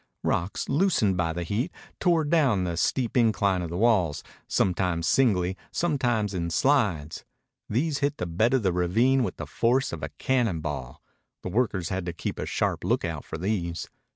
Rocks, loosened by the heat, tore down the steep incline of the walls, sometimes singly, sometimes in slides. These hit the bed of the ravine with the force of a cannon ball. The workers had to keep a sharp lookout for these.